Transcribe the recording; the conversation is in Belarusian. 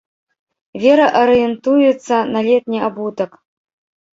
Вера арыентуецца на летні абутак.